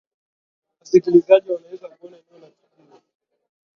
wasikilizaji wanaweza kuona eneo la tukio